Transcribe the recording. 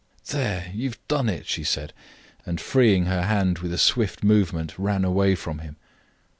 "There! You've done it!" she said; and, freeing her hand with a swift movement, ran away from him.